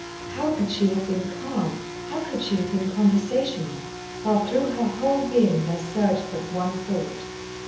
How could she have been calm, how could she have been conversational, while through her whole being there surged but one thought.